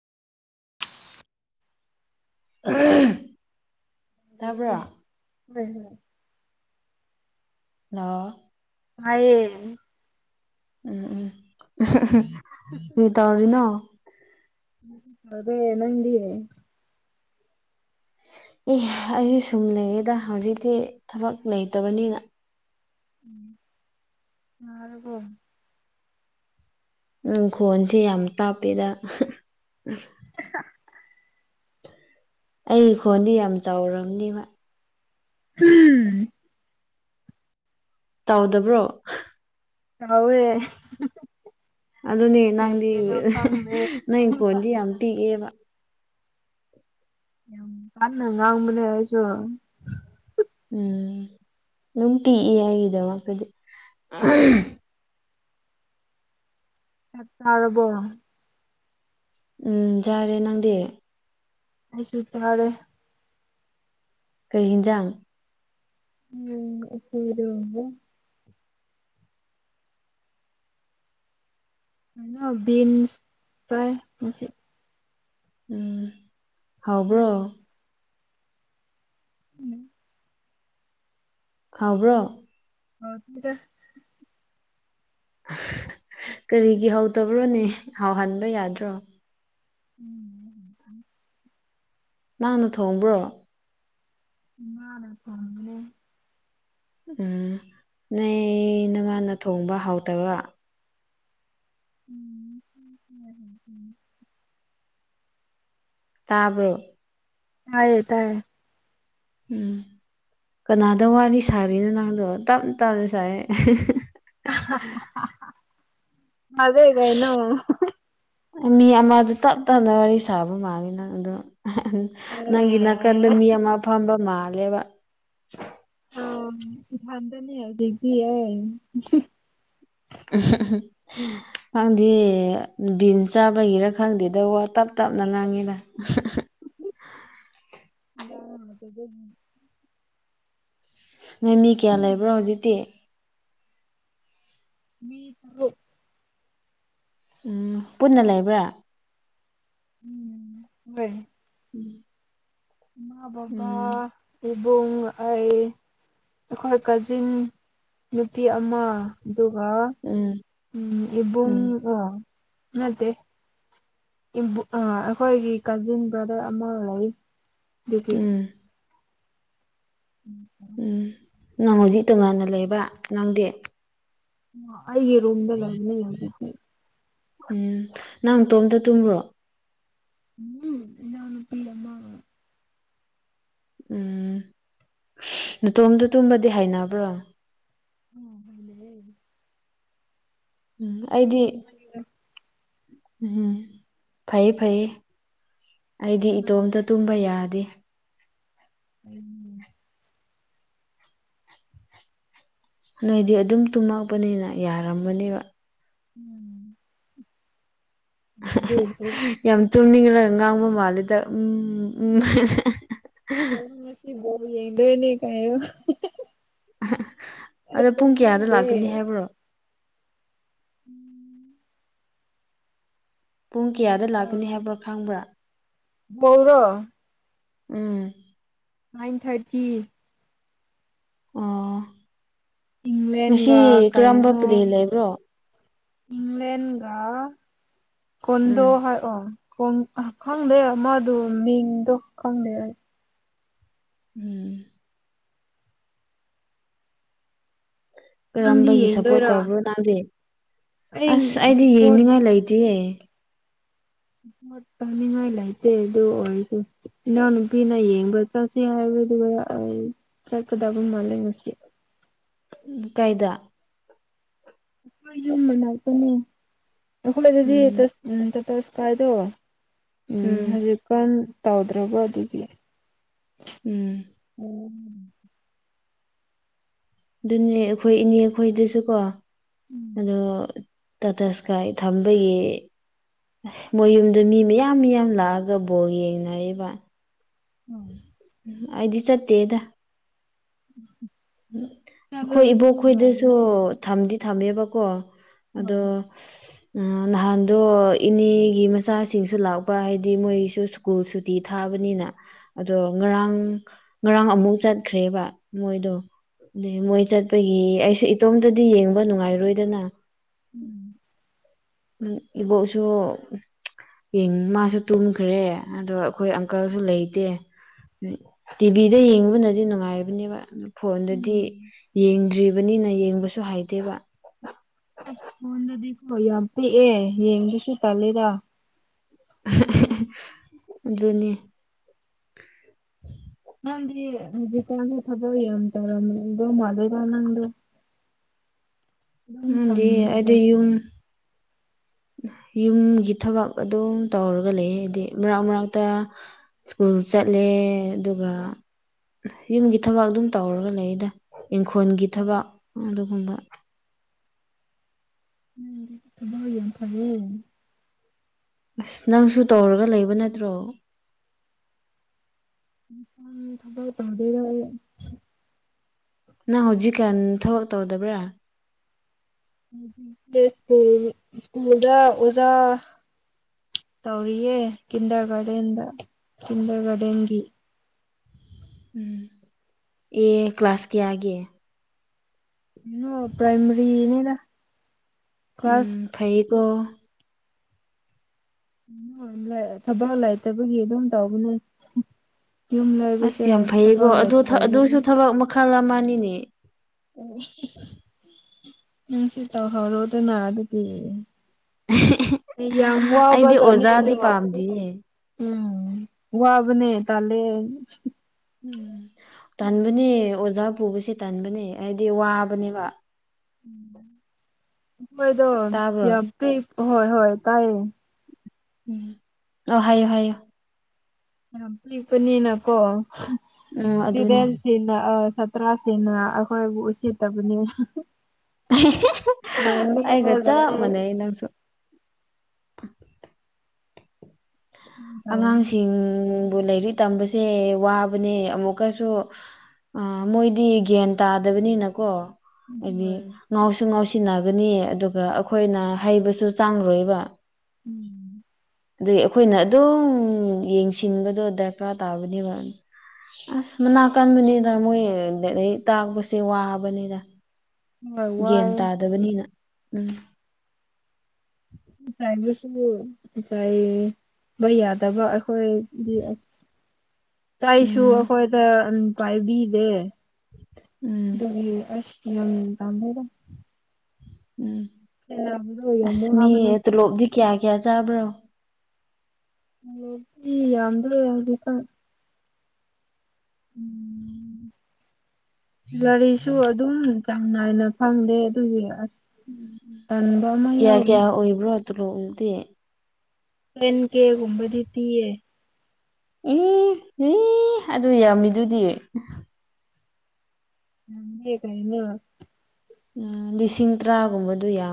[unintelligible] ꯇꯥꯕ꯭ꯔꯣ [unintelligible] [unintelligible] ꯇꯥꯏꯌꯦ [unintelligible] ꯀꯔꯤ ꯇꯧꯔꯤ ꯅꯣ [unintelligible] ꯅꯪꯗꯤ ꯑꯦ ꯑꯩꯁꯦ ꯁꯨꯝ ꯂꯩꯔꯤꯗ ꯍꯧꯖꯤꯛꯇꯤ ꯊꯕꯛ ꯂꯩꯇꯕꯅꯤꯅ [unintelligible] ꯎꯝ ꯈꯣꯟꯁꯦ ꯌꯥꯝ ꯇꯥꯞꯄꯦꯗ ꯑꯩ ꯈꯣꯟꯗꯤ ꯌꯥꯝ ꯆꯥꯎꯔꯕꯅꯤꯕ ꯎꯝ ꯆꯥꯎꯗꯕ꯭ꯔꯣ ꯆꯥꯎꯋꯦ ꯑꯗꯨꯅꯦ ꯅꯪꯗꯤ ꯈꯪꯗꯦ ꯅꯪ ꯏꯪꯈꯣꯜꯗꯤ ꯌꯥꯝ ꯄꯤꯛꯑꯦꯕ ꯀꯥꯟꯅ ꯉꯥꯡꯕꯅꯦ ꯑꯩꯁꯨ ꯎꯝ ꯑꯗꯨꯝ ꯄꯤꯛꯏ ꯑꯩꯒꯤꯗꯣ ꯆꯥꯛ ꯆꯥꯔꯕꯣ ꯎꯝ ꯆꯥꯔꯦ ꯅꯪꯗꯤ ꯑꯩꯁꯨ ꯆꯥꯔꯦ ꯀꯩ ꯍꯤꯡꯖꯥꯡ [unintelligible] ꯀꯩꯅꯣ ꯕꯤꯟ ꯐꯔꯥꯏ ꯎꯝ ꯍꯥꯎꯕ꯭ꯔꯣ ꯅꯣꯏꯗꯤ ꯎꯝ ꯍꯥꯎꯕ꯭ꯔꯣ [unintelligible] ꯀꯔꯤꯒꯤ ꯍꯥꯎꯇꯥꯕ꯭ꯔꯣꯅꯦ ꯍꯥꯎꯍꯟꯕꯥ ꯌꯥꯗ꯭ꯔꯣ ꯎꯝ ꯅꯪꯅ ꯊꯣꯡꯕ꯭ꯔꯣ ꯏꯃꯥꯅ ꯊꯣꯡꯕꯅꯦ ꯎꯝ ꯅꯣꯏ ꯅꯥꯃꯅ ꯊꯣꯡꯕ ꯍꯥꯎꯇꯕ [unintelligible] ꯇꯥꯕꯔꯣ ꯇꯥꯏꯌꯦ ꯇꯥꯏ ꯎꯝ ꯀꯅꯥꯗ ꯋꯥꯔꯤ ꯁꯥꯔꯤꯅꯣ ꯅꯪꯗꯣ ꯇꯞꯅ ꯇꯞꯅ ꯁꯥꯏꯌꯦ ꯁꯥꯗꯦ ꯀꯩꯅꯦ ꯃꯤ ꯑꯃꯗꯨ ꯇꯞ ꯇꯞꯅ ꯋꯥꯔꯤ ꯁꯥꯕ ꯃꯥꯂꯦ ꯅꯪꯗꯣ ꯑꯂꯦ ꯅꯪꯒꯤ ꯅꯥꯀꯟꯗ ꯃꯤ ꯑꯃ ꯐꯝꯕ ꯃꯥꯜꯂꯦꯕ ꯐꯝꯗꯦꯅꯦ ꯍꯧꯖꯤꯛꯇꯤ ꯑꯩ [unintelligible] ꯅꯪꯗꯤ ꯕꯤꯟꯁ ꯆꯥꯕꯒꯤꯔꯥ ꯈꯪꯗꯦꯗ ꯋꯥ ꯇꯞ ꯇꯞꯅ ꯉꯥꯡꯉꯤꯗ [unintelligible] ꯅꯣꯏ ꯃꯤ ꯀꯌꯥ ꯂꯩꯕ꯭ꯔꯣ ꯍꯧꯖꯤꯛꯇꯤ [unintelligible] ꯎꯝ ꯄꯨꯟꯅ ꯂꯩꯕ꯭ꯔꯥ ꯎꯝ ꯍꯣꯏ [unintelligible] ꯏꯃꯥ ꯕꯥꯕꯥ ꯎꯝ ꯏꯕꯨꯡ ꯑꯩ ꯑꯩꯈꯣꯏ ꯀꯥꯖꯤꯟ ꯅꯨꯄꯤ ꯑꯃ ꯑꯗꯨꯒ ꯎꯝ ꯎꯝ ꯎꯝ ꯏꯕꯨꯡꯒꯥ ꯅꯠꯇꯦ ꯑꯩꯈꯣꯏꯒꯤ ꯀꯥꯖꯤꯟ ꯕ꯭ꯔꯥꯗꯔ ꯑꯃꯒ ꯂꯩ ꯑꯗꯨꯗꯤ ꯎꯝ ꯎꯝ ꯎꯝ ꯅꯪ ꯍꯧꯖꯤꯛ ꯇꯣꯉꯥꯟꯅ ꯂꯩꯕ ꯅꯪꯗꯤ ꯑꯩꯒꯤ ꯔꯨꯝꯗ ꯂꯩꯕꯅꯦ ꯍꯧꯖꯤꯛꯇꯤ ꯎꯝ ꯅꯪ ꯅꯇꯣꯝꯇ ꯇꯨꯝꯕ꯭ꯔꯣ ꯎꯝ ꯏꯅꯥꯎ ꯅꯨꯄꯤ ꯑꯃꯥꯒꯥ ꯎꯝ ꯅꯇꯣꯝꯗ ꯇꯨꯝꯕꯗꯤ ꯍꯥꯏꯅꯕ꯭ꯔꯣ [unintelligible] ꯎꯝ ꯑꯩꯗꯤ ꯂꯩꯌꯦ ꯎꯝ ꯐꯩ ꯐꯩꯌꯦ ꯑꯩꯗꯤ ꯏꯇꯣꯝꯇ ꯇꯨꯝꯕ ꯌꯥꯗꯦ ꯅꯣꯏꯗꯤ ꯑꯗꯨꯝ ꯇꯨꯝꯃꯛꯄꯅꯤꯅ ꯌꯥꯔꯝꯒꯅꯤ ꯎꯝ [unintelligible] ꯌꯥꯝ ꯇꯨꯝꯅꯤꯡꯔꯥꯒ ꯉꯥꯡꯕ ꯃꯥꯜꯂꯤꯗ ꯎꯝ ꯎꯝ ꯑꯩ ꯉꯁꯤ ꯕꯣꯜ ꯌꯦꯡꯗꯣꯏꯅꯤ ꯀꯩꯅꯣ ꯑꯩ ꯑꯗꯣ ꯄꯨꯡ ꯀꯌꯥꯗ ꯇꯨꯝꯅꯤꯡꯗꯦ ꯂꯥꯛꯀꯅꯤ ꯍꯥꯏꯕ꯭ꯔꯣ ꯎꯝ ꯄꯨꯡ ꯀꯌꯥꯗ ꯂꯥꯛꯀꯅꯤ ꯍꯥꯏꯕ꯭ꯔꯥ ꯈꯪꯕ꯭ꯔꯥ ꯃꯧꯔꯣ ꯎꯝ ꯅꯥꯏꯟ ꯊꯥꯔꯇꯤ ꯑꯣ ꯉꯁꯤ ꯏꯪꯂꯦꯟꯒ ꯀꯔꯝꯕ ꯄ꯭ꯂꯦꯟ ꯂꯩꯕ꯭ꯔꯣ ꯏꯡꯂꯦꯟꯒ ꯀꯨꯟꯗꯣ ꯎꯝ ꯍꯥꯏ ꯑꯣ ꯈꯪꯗꯦ ꯃꯥꯗꯣ ꯃꯤꯡꯗꯣ ꯈꯪꯗꯦ ꯑꯩ ꯎꯝ ꯅꯪꯗꯤ ꯀꯔꯝꯕꯒꯤ ꯁꯞꯄꯣꯔꯠ ꯌꯦꯡꯗꯣꯏꯔꯣ ꯇꯧꯕ꯭ꯔꯣ ꯅꯪꯗꯤ ꯑꯁ ꯑꯩ ꯑꯩꯗꯤ ꯁꯞꯄꯣꯔꯠ ꯌꯦꯡꯅꯤꯡꯉꯥꯏ ꯂꯩꯇꯤꯌꯦ ꯇꯥꯅꯤꯡꯉꯥꯏ ꯂꯩꯇꯦ ꯑꯗꯨ ꯑꯣꯏꯔꯁꯨ ꯏꯅꯥꯎꯅꯨꯄꯤꯅ ꯌꯦꯡꯕ ꯆꯠꯁꯤ ꯍꯥꯏꯕꯗꯨꯒ ꯑꯩ ꯆꯠꯀꯗꯕ ꯃꯥꯜꯂꯦ ꯉꯁꯤ ꯀꯩꯗ ꯑꯩꯈꯣꯏ ꯌꯨꯝ ꯃꯅꯥꯛꯇꯅꯦ ꯑꯩꯈꯣꯏꯗꯗꯤ ꯎꯝ ꯇ ꯇꯥ ꯀꯥꯏꯗꯣ ꯎꯝ ꯍꯧꯖꯤꯛ ꯀꯔꯝ ꯇꯧꯗ꯭ꯔꯕ ꯑꯗꯨꯗꯤ ꯎꯝ ꯎꯝ [inaudible] ꯑꯗꯨꯅꯦ ꯑꯩꯈꯣꯏ ꯏꯅꯦ ꯈꯣꯏꯗꯨꯁꯨꯀꯣ ꯑꯗꯣ ꯇꯥꯇꯥ ꯁ꯭ꯀꯥꯏ ꯊꯝꯕꯒꯤ ꯃꯣꯏ ꯌꯨꯝꯗꯣ ꯃꯤ ꯃꯌꯥꯝ ꯃꯌꯥꯝ ꯂꯥꯛꯑꯒ ꯕꯣꯜ ꯌꯦꯡꯅꯔꯤꯕ [inaudible] ꯑꯩꯗꯤ ꯆꯠꯇꯦꯗ [inaudible] ꯑꯩꯈꯣꯏ ꯏꯕꯣꯛ ꯈꯣꯏꯗꯁꯨ ꯊꯝꯗꯤ ꯊꯝꯃꯦꯕꯀꯣ ꯑꯗꯣ [inaudible] ꯑ ꯅꯍꯥꯟꯗꯣ ꯏꯅꯦꯒꯤ ꯃꯆꯥꯁꯤꯡꯁꯨ ꯂꯥꯛꯄ ꯍꯥꯏꯗꯤ ꯃꯣꯏꯁꯨ ꯁ꯭ꯀꯨꯜ ꯁꯨꯇꯤ ꯊꯥꯕꯅꯤꯅ ꯑꯗꯣ ꯉꯔꯥꯡ ꯉꯔꯥꯡ ꯑꯃꯨꯛ ꯆꯠꯈ꯭ꯔꯦꯕ ꯃꯣꯏꯗꯣ ꯑ ꯃꯣꯏ ꯆꯠꯄꯒꯤ ꯑꯩꯁꯨ ꯏꯇꯣꯝꯇꯗꯤ ꯌꯦꯡꯕ ꯅꯨꯡꯉꯥꯏꯔꯣꯏꯗꯅ [inaudible] ꯎꯝ ꯏꯕꯣꯛꯁꯨ ꯌꯦꯡ ꯃꯥꯁꯨ ꯇꯨꯝꯈ꯭ꯔꯦ ꯑꯗꯣ ꯑꯩꯈꯣꯏ ꯑꯪꯀꯜꯁꯨ ꯂꯩꯇꯦ ꯇꯤꯚꯤꯗ ꯌꯦꯡꯕꯅꯗꯤ ꯅꯨꯡꯉꯥꯏꯕꯅꯤꯕ ꯐꯣꯟꯗꯗꯤ ꯌꯦꯡꯗ꯭ꯔꯤꯕꯅꯤꯅ ꯌꯦꯡꯕꯁꯨ ꯍꯩꯇꯦꯕ ꯑꯁ ꯐꯣꯟꯗꯗꯤꯀꯣ ꯌꯥꯝ ꯄꯤꯛꯑꯦ ꯌꯦꯡꯕꯁꯨ ꯇꯜꯂꯤꯗ ꯑꯗꯨꯅꯦ [unintelligible] ꯅꯪꯗꯤ ꯕꯤꯇꯅꯤ ꯊꯕꯛ ꯌꯥꯝ ꯇꯧꯔꯝꯗꯧ ꯃꯥꯜꯂꯦ ꯅꯪꯗꯨ ꯎꯝ ꯊꯝ ꯅꯪꯗꯤ ꯑꯩꯗꯤ ꯌꯨꯝ [inaudible] [unintelligible] ꯌꯨꯝꯒꯤ ꯊꯕꯛ ꯑꯗꯨꯝ ꯇꯧꯔꯒ ꯂꯩ ꯍꯥꯏꯗꯤ ꯃꯔꯛ ꯃꯔꯛꯇ ꯁ꯭ꯀꯨꯜ ꯆꯠꯂꯦ ꯑꯗꯨꯒ ꯌꯨꯝꯒꯤ ꯊꯕꯛ ꯑꯗꯨꯝ ꯇꯧꯔꯒ ꯂꯩꯗ ꯏꯪꯈꯣꯜꯒꯤ ꯊꯕꯛ ꯑꯗꯨꯒꯨꯝꯕ ꯊꯕꯛ ꯌꯥꯝ ꯐꯩꯌꯦ ꯑꯁ ꯅꯪꯁꯨ ꯇꯧꯔꯒ ꯂꯩꯕ ꯅꯠꯇ꯭ꯔꯣ ꯎꯝ ꯊ ꯇꯧꯗꯦꯗ ꯑꯩ ꯅꯪ ꯍꯧꯖꯤꯛꯀꯥꯟ ꯊꯕꯛ ꯇꯧꯗꯕ꯭ꯔꯥ ꯎꯝ ꯍꯝ ꯁ꯭ꯀꯨꯜ ꯁ꯭ꯀꯨꯜꯗ ꯑꯣꯥꯖꯥ ꯇꯧꯔꯤꯑꯦ ꯀꯤꯟꯗꯔꯒꯥꯔꯗꯦꯟꯗ ꯀꯤꯟꯗꯔꯒꯥꯔꯗꯦꯟ ꯒꯤ ꯎꯝ ꯑꯦ ꯀ꯭ꯂꯥꯁ ꯀꯌꯥꯒꯤ ꯅꯣ ꯄ꯭ꯔꯥꯏꯃꯔꯤꯅꯤꯗ ꯎꯝ ꯐꯩꯀꯣ ꯊꯕꯛ ꯂꯩꯇꯕꯒꯤ ꯑꯗꯨꯝ ꯇꯧꯕꯅꯦ ꯌꯨꯝ ꯑꯁ ꯂꯩꯕꯁꯦ ꯊꯕꯛ ꯂꯩꯇ꯭ꯔꯗꯤ ꯈꯂꯝꯃꯅꯤꯅꯦ [unintelligible] ꯇꯧꯍꯧꯔꯣꯗꯅ ꯑꯗꯨꯗꯤ ꯌꯥꯝ ꯑꯩꯗꯤ ꯑꯣꯖꯥꯗꯤ ꯋꯥꯕꯖꯅꯤꯗ ꯄꯥꯝꯗꯤꯌꯦ ꯎꯝ ꯋꯥꯕꯅꯦ ꯇꯂꯦ ꯎꯝ ꯇꯟꯕꯅꯦ ꯑꯣꯖꯥ ꯄꯨꯕꯁꯦ ꯇꯟꯕꯅꯦ ꯍꯥꯏꯗꯤ ꯋꯥꯕꯅꯦꯕ ꯃꯣꯏꯗꯣ ꯇꯥꯕ꯭ꯔꯣ ꯌꯥꯝ ꯄꯤ ꯍꯣꯏ ꯍꯣꯏ ꯇꯥꯏꯌꯦ ꯑꯣ ꯍꯥꯏꯌꯣ ꯍꯥꯏꯌꯣ ꯌꯥꯝ ꯄꯤꯛꯄꯅꯤꯅꯀꯣ ꯎꯝ ꯑꯗꯨꯅꯤ ꯁꯤꯗꯦꯟꯁꯤꯅ ꯑ ꯇꯔꯥꯁꯤꯅ ꯑꯩꯈꯣꯏꯕꯨ ꯎꯁꯤꯠꯇꯕꯅꯤ ꯑꯩꯒ ꯆꯞ ꯅꯣꯛꯅꯤꯡꯕꯖꯥꯠꯅꯦ ꯃꯥꯟꯅꯩ ꯅꯪꯁꯨ ꯇꯧꯕꯅꯦ ꯑꯉꯥꯡꯁꯤꯡꯕꯨ ꯂꯥꯏꯔꯤꯛ ꯇꯝꯕꯁꯦ ꯋꯥꯕꯅꯦ ꯑꯃꯨꯛꯀꯁꯨ ꯃꯣꯏꯗꯤ ꯒ꯭ꯌꯥꯟ ꯇꯥꯗꯕꯅꯤꯅꯀꯣ ꯍꯥꯏꯗꯤ ꯍꯣꯏ ꯉꯥꯎꯁꯨ ꯉꯥꯎꯁꯤꯟꯅꯒꯅꯤ ꯑꯗꯨꯒ ꯑꯩꯈꯣꯏꯅ ꯍꯩꯕꯁꯨ ꯆꯥꯡꯔꯣꯏꯕ ꯎꯝ ꯑꯗꯨꯏ ꯑꯩꯈꯣꯏꯅ ꯑꯗꯨꯝ ꯌꯦꯡꯁꯤꯟꯕꯗꯣ ꯗꯔꯀꯥꯔ ꯇꯥꯕꯅꯦꯕ ꯑꯁ ꯃꯅꯥꯛ ꯀꯟꯕꯅꯤꯅ ꯃꯣꯏ ꯇꯥꯛꯄꯁꯦ ꯋꯥꯕꯅꯤꯅ ꯍꯣꯏ ꯒ꯭ꯌꯥꯟ ꯋꯥꯏ ꯇꯥꯗꯕꯅꯤꯅ ꯎꯝ [unintelligible] ꯆꯥꯏꯕꯁꯨ ꯆꯥꯏꯕ ꯌꯥꯗꯕ ꯑꯩꯈꯣꯏꯒꯤ [unintelligible] ꯑꯩꯁꯨ ꯎꯝ ꯑꯩꯈꯣꯏꯗ ꯄꯥꯏꯕꯤꯗꯦ ꯎꯝ ꯑꯗꯨꯒꯤ ꯑꯁ [unintelligible] ꯎꯝ ꯁꯦꯟꯅꯕꯗꯣ ꯌꯥꯝ ꯑꯁ ꯃꯤ ꯋꯥꯕꯅꯦ ꯇꯣꯂꯣꯞꯗꯤ ꯀꯌꯥ ꯀꯌꯥ ꯆꯥꯕ꯭ꯔꯣ ꯌꯥꯝꯗ꯭ꯔꯦ ꯒꯔꯤꯁꯨꯨ ꯑꯗꯨ ꯑꯗꯨꯝ ꯆꯥꯡ ꯅꯥꯏꯅ ꯐꯪꯗꯦ ꯑꯗꯨꯒꯤ ꯑꯁ ꯇꯟꯕ ꯑꯃ ꯀꯌꯥ ꯌꯥꯎꯔꯤ ꯀꯌꯥ ꯑꯣꯏꯕ꯭ꯔꯣ ꯇꯣꯂꯦꯄꯗꯤ ꯄꯦꯟ ꯀꯦꯒꯨꯝꯕꯗꯤ ꯄꯤꯌꯦ ꯑꯗꯨ ꯌꯥꯝꯃꯤꯗꯨꯗꯤ ꯀꯩꯅꯣ ꯎꯝ ꯂꯤꯁꯤꯡ ꯇꯔꯥꯒꯨꯝꯕꯗꯨ ꯌꯥꯝ